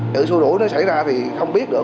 chữ xua rủi nó xảy ra thì không biết được